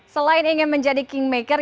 selain ingin menjadi kingmaker